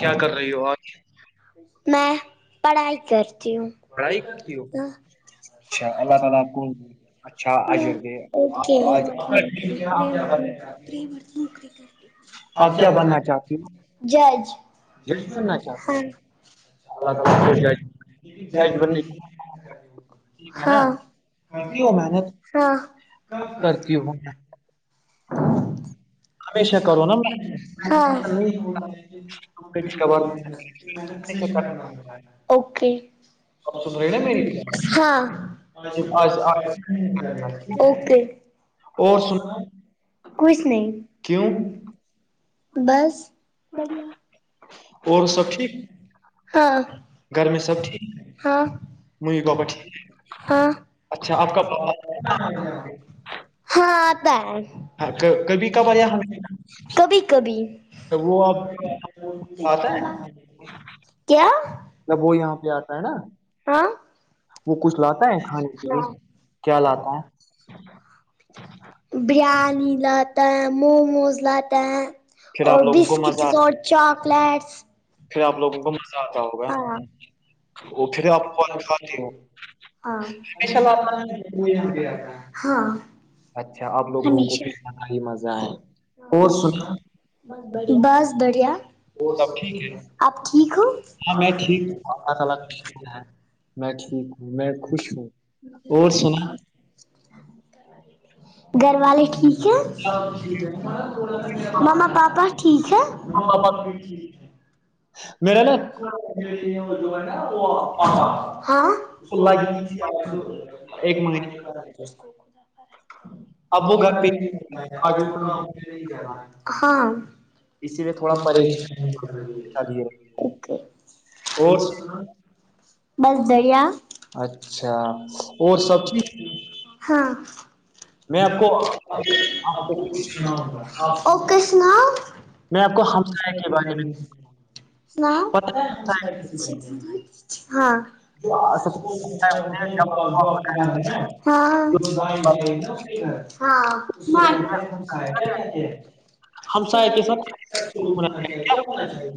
کیا کر رہی ہو آج میں پڑھائی کرتی ہوں پڑھائی کرتی ہو اچھا اللہ آ تعالی آپ کو اچھا اجر دے [unintelligible] اوکے ا آج آپ کیا ب بننا [unintelligible] چاہتی ہو جج جج بننا چاہتی ہاں ہو؟ اللہ تعالی آپ کو جج جج بننے [inaudible] کی ہے نا ہاں کیوں محنت ہاں کرتی ہوں ہمیشہ کرو نا محنت [inaudible] ہ نہیں خبر ہمیشہ کرو۔ بھینا اوکے آپ سن رہے نا میری ہاں آج آج- اوکے اور سن کچھ نہیں کیوں بس بڑیا اور وہ سب سی ٹھیک ہاں گھر میں سب ٹھیک ہاں ممی پاپا ٹھیک ہاں اچھا آپ ہاں آتا کا ہے کبھی کبھار یہاں کبھی کبھی وہ آپ آتا ہے کیا جب وہ یہاں پہ آتا ہے نا ہاں وہ کچھ لاتا ہے کھانے کے ہاں لیے کیا لاتا ہے بریانی لاتا ہے موموز لاتا ہے پھر اور آپ لوگوں کو مزہ بسکٹس اور چاکلیٹس پھر آپ لوگوں کو مزہ آتا ہوگا ہاں وہ پھر آپ کو کھاتے ہو ہاں ماشاء اللہ ہشا ب یہاں پہ آتا ہاں تعالیٰ۔ اچھا اب لوگوں کو پ ہمیشہ ہی مزہ ہے اور سنا بس بڑھیا سب ٹھیک ہے آپ ٹھیک ہو [inaudible] میں ٹھیک ہوں میں خوش ہوں اور سنا گھر والے ٹھیک ہیں مما پاپا ٹھیک ہیں مما پاپا کی چے میرا نا میںے ہے نا [unintelligible] اس کو لگ آاز ایک مہنے کا اب وہ آھر گھر پہ ہی آ جاتا ہوں، ہاں [inaudible] اسی لیے ے تھوڑا کو پریش پریشان لیے اور سنا [inaudible] بس دریا [unintelligible] اچھا اور س سب چیز ہاں [inaudible] میں آپ کو پچ آپ کو کچھ اوکے سناؤ [inaudible] میں آپ کو م ہمسائے کے بارے گ [inaudible] میں پتا سناؤچا ہاں [inaudible] ہاں ب ہاں [inaudible] سھ ساڑ چار [inaudible] ہمسائے کے ساتھ اپو ہونا چاہے کیا ہونا چاہیے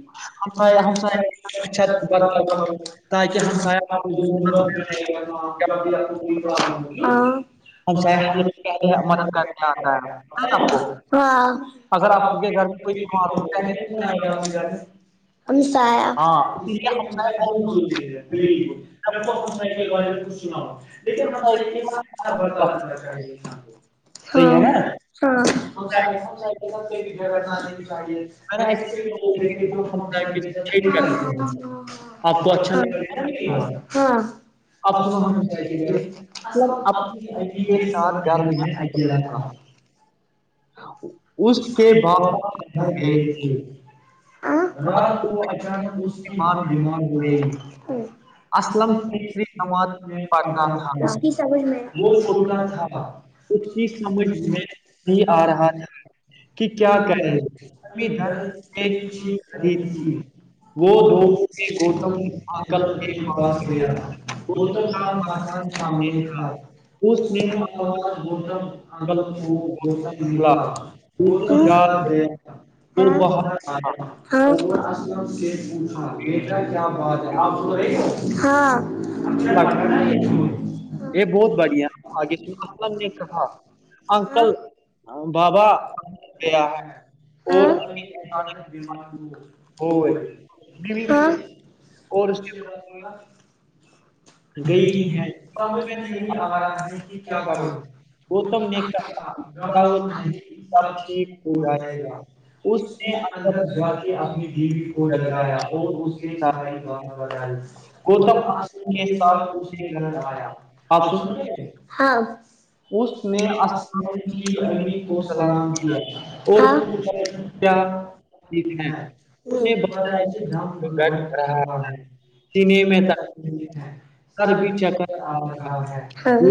[inaudible] ہمسایہ ہمسایہ کے ساتھ اچھا برتاؤ ور کرو تاکہ ہمسایہ کو ضرورت میں [inaudible] جب آ ہمسایہ کو حل پہلے مدد کرا کرنے آتا ہے پتہ ہے [inaudible] آپ کو ہاں اگر آپ کے گھر میں [inaudible] کوئی بیمار ہو پہلے اگر آپ گ ہاں اسی لیے ہمسایہ [inaudible] بہت ضروری اسے ہے آپ کو [inaudible] [inaudible] سمجھنا لیکن ہم س ایک بڑکااہ [inaudible] بات [inaudible] ہ صحیح ہے نا ہمنا شاڑی میں نے ارے ایسے ایے بھی نہیں ہمسایہ کے ساتھ ٹھیک کر آپ کو اچھا لگے گا ف [inaudible] ہاں [inaudible] ا اب سنو ہم مثلاً اپنے کے ساتھ گھر میں اپنا میںے لا [inaudible] [inaudible] اس کے بابا با کے گئے تھے [inaudible] رات کو اچانک اس کی بعد ماں بیمار ہو گئی [inaudible] اسلم تیسری جماعت میں پڑھتا تھا قی س وہ چھوٹا تھا کچھ کی سمجھ میں نہیں [inaudible] آ رہا رہ تھا [inaudible] کیا کہے ا کرمی د دھر میں کیوں جا تھی رہی [inaudible] وہ دو نے گوتم کو عقل انکل کے [inaudible] پاس گ بول کا مکان سامنے تھا اس [inaudible] گم گم عقل کو نکلا وہ گوتم جا رہے ہے وہ باہر بہت [inaudible] تھا اور سے پوچھا بیٹا کیا بات ہے [inaudible] ہاں اچھا لگا [inaudible] یہ بہت بڑھیا آگلم نے کہا انکل بابا [inaudible] گیا ہے [inaudible] اور ہاں ہوئے بیوی بھی ہاں [inaudible] اور اس کے بات بولا [inaudible] گئی ہے سبج میں یہی آ رہا ہے کہ [inaudible] کیا کرو گوتم گم نے نہیں کہا کرتا "کیا وہ گباؤ نہیں [inaudible] سب چیک ہو جناائے گا [inaudible] اس نے اندر جا کے اپنی دوی کو جھک جگایا اور کے اسے ساتھ سارے [inaudible] گوتم آشم کے ساتھ اس کے گھر آیا آپ سن [inaudible] آ اس نے آسام کی [inaudible] چلا سلام کیا اور تھا کیا کیا [inaudible] ٹھیک ہے اس نے بات پتا ہے کہ دام میں گ بیٹھ رہا ہے [inaudible] سینے یہ میں میںھ تک ہے [inaudible] کر س بھی چکر کھا۔ آا ہے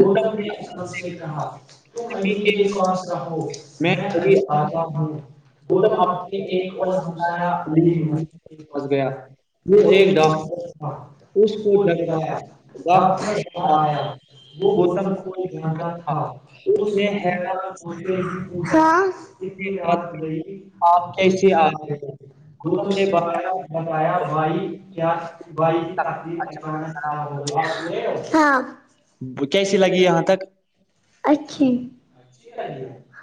گم نے اپ سے کہا [inaudible] تم بھی امی کہ کے پاس رہو میں ابھی آتا ہوں [inaudible] گوتم اپنے ایک اور دوسرا علی مسجد پاس گیا ہے [inaudible] وہ نے ایک ڈاکٹر تھا اس کو لے گایا ڈر ڈاکٹر آیا وہ گوتم کو جدہ تھا اس نے اتنی حیرت رات گئی آپ کیسے آ آئے گئے دو دو گوتم نے باہر بایا بتایا بھائی کیا بائی تک اچانک کھڑا تقراب ہو گیا کیسی لگی یہاں تک اچھی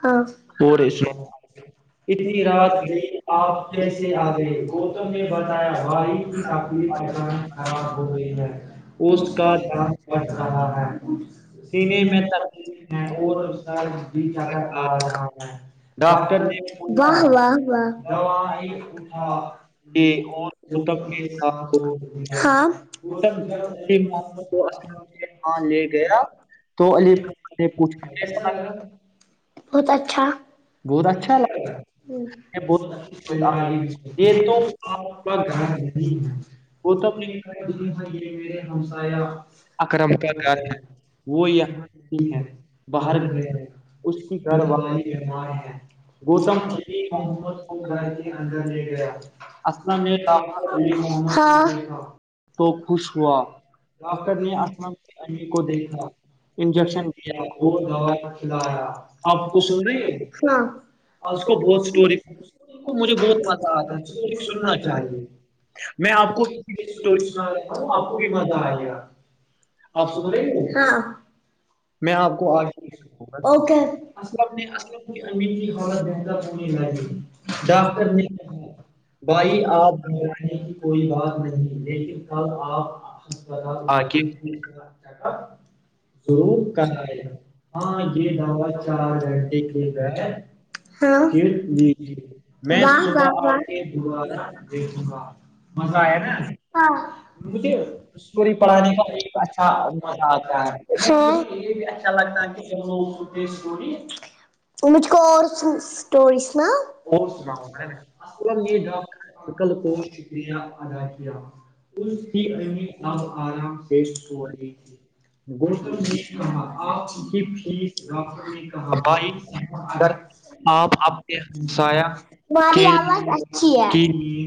ہاں اور اس نے اتنی رات آپ کیسے آ گئے گوتم نے بتایا بھائی پ خراب ہو گئی ہے اس کا رہا ہے س سینے میں تکلیف ہے میں اور س بی ا بخار گئی۔ ڈاکٹر نے پوچھا واہ واہ و دوائی کھا لے اور گوتم کے ساتھ ہو ہاں گوتم ج جب علی محمد محد کو اسلم گ کے ہاں لے گیا تو علی نے پوچھ بہت اچھا ب بہت اچھا لگا ہے یہ بہت اچھا تو لگا۔ یہ تو اس کا گھر گوتم نے جی ہاں یہ میرے ہمسایا اکرم کا گھر ہے وہ یہاں نہیں ہے باہر گئے ہیں اس کی گر والاریار ہے والے وہ گوتم کو محمد کو گھر کے اندر لے گیا اسلم نے ڈاکٹر ہاں تو خش ہوا تھا ڈاکٹر نے دیکھا انجیکشن دیا کیا وہ اور دو کھلایا آپ کو س ہے اس کو بہت اسٹوری کو مجھے بہت مزہ آتا ہے مجھے اورننا سننا چاہیے میں آپ کووری سنا رہی [unintelligible] آپ کو بھی مزہ آ گیا آپ سن رہے [unintelligible] میں آپ کو آگے بتاؤں گا. اوکے تو [inaudible] اپنے اصل نے بھائی آپ کوئی بات نہیں لیکن کل آپ ہپتال آ کے آجے ج ضرور کرایا ج ہاں یہ دعوا [unintelligible] جرد یہ کییک ہے [unintelligible] ہاں گر لی میں صبح آپ کی و مزہ آئے شاعر نا مجھے مجھول اسٹوری پڑھے پڑھانے کا بہت اچھا مہ مزہ آتا ہے مجھے اچھا لگتا ہاں ہے مجھ کو اور اسٹوریز نا کہ اور بہت سنا مطلب یہ سلہ ڈاکٹر کل کو شکریہ ادا کیا [unintelligible] اس کی ٹھیک امی اب آرام سے پیش ہو رہی ہے. گئی تھی [unintelligible] کہا آپ گوتم کییک ر [unintelligible] کی کر آپ اپنے اری ہمسایہ کے کی آماز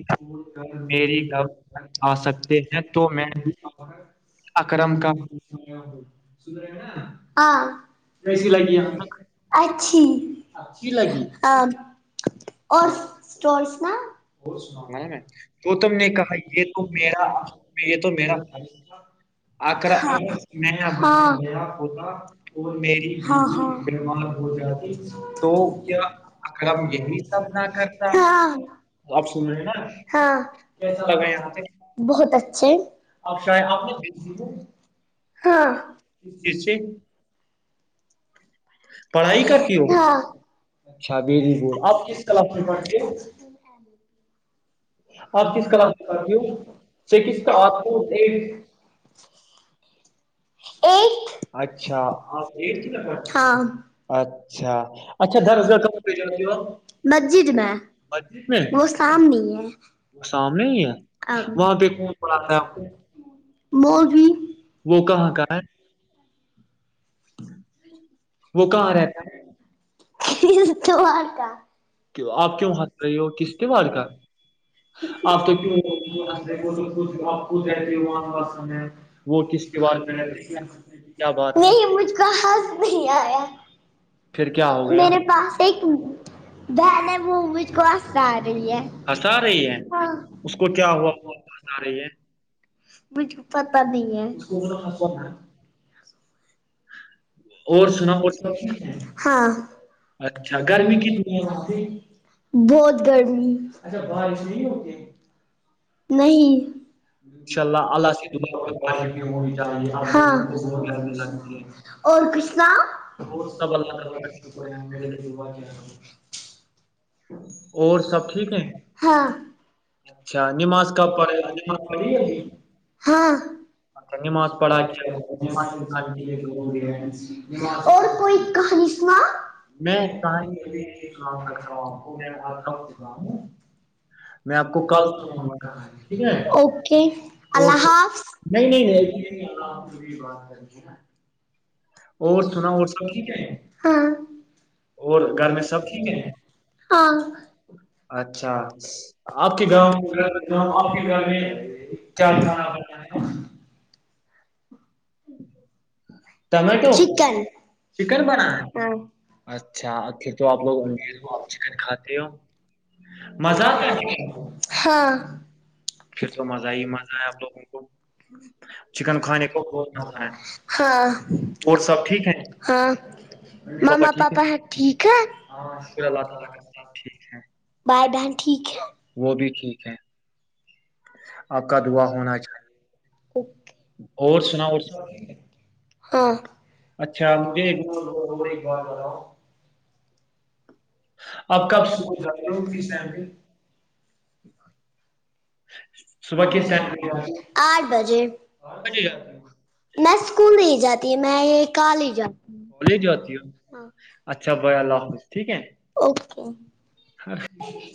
میری گ آ سکتے ہیں کر تو میں اکرم کا مکتے کیسی لگی [inaudible] ہمیں اچھی لگی ہ اور اسٹورس نا اور سناؤ تو وہ تم نے کہا یہ تو میرا یہ تو میرا تھا آکرا ہاں میں ہاں میری ہاں جاتی تو کیا اکرم یہی سب نہ کرتا آپ سن ہاں رہے بہت اچھے آپ آ کس سے [unintelligible] کرتی ہو پڑھائی اچھا ویری گڈ آپ کس کلاب کلاس میں پڑھے [unintelligible] ہاںی آپ کس ہپ کلاس میں پڑھتی ہو چیز کا سکس ایکچ اچھا ہاں اچھا اچھا درسگاہ مسجد میں میں وہ شام نہیں ہے سامنے ہی ہے اب وہاں پہ کھاتا ہے موی وہ کہاں کا ہے تو وہ کہاں رہتا ہے وہار کا کیوں- آپ کیوں ہنس رہی ہو کس تہوار کا آ آپ تو کو کیوں س کو کہ وہسن ہے وہ کس ک تہوار کا کیا بات ہے نہیں مجھ کا ہس نہیں آیا پھر کیا ہو گیا میرے پاس ایک دہنے م گس آ رہی ہنسا رہی ہےاں آ رہی ہے مجھے پتا نہیں ہے اور س سبیک ہاں اچھا اچا کل گرمی بھی کتنی بہت گرمی اچھا باہر، انشاء نہیں اللہ اللہ سے دعا کیا، ہاں اور سب کچھ سناؤ اللہ اور سب ٹھیک ہے ہاں اچھا نماز کب تھوڑی ہاں پڑھا م نماز پڑھا اور کے کوئی کہانی سنا میں میںا کہاں ہوںا ہ میں آپ کو کل س ٹھیک ہے اوکے اور اللہ حافظ نہیں نہیں نہیں ہ جی اور سنایک ہے ہاں سب اور گھر میں سب ٹھیک ہاں اچ اچھا آپ کے گاؤں گاؤں آپ کے گاؤ میں کیا خاب ٹمٹو کن چکن بنااا اچھا پھر تو آپ لوگ انڈین اور چکن کھاتے ہو مزہ آتا ہاں ہے پھر تو مزہ ہی مزہ ہے اب لوگوں کو چکن کھانے کو مزہ ہے ہاں اور سب ٹھیک ہے ہاں مما پاپا ہے ٹھیک ہے شکر اللہ ٹھیک ہے بائے دن ٹھیک ہے وہ بھی ٹھیک ہے آپ کا دوا ہونا چاہے ہے اور سنا اور سب ہاں اچھجا اچھا مجھے ایک اب کب صبح جا رہے ہو کس ٹائم پہ [inaudible] ٹائم آٹھ بجے آٹھ بجے جاتی ہو میں اسکول نہیں جاتی ہ میں کال ہی جاتی کالج ہوں جاتی ہو ہاں اچھا بھائی اللہ حافظ ٹھیک ہے اوکے